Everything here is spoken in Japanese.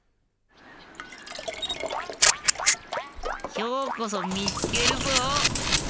きょうこそみつけるぞ。